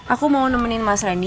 aku mau nemenin mas randy